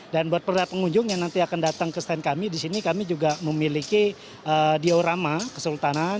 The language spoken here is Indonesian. dan buat para pengunjung yang nanti akan datang ke stand kami disini kami juga memiliki diorama kesultanan